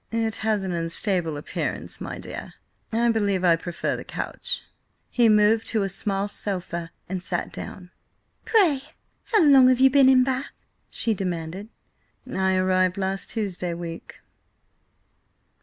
"It has an unstable appearance, my dear; I believe I prefer the couch." He moved to a smaller sofa and sat down. "Pray, how long have you been in Bath?" she demanded. "I arrived last Tuesday week."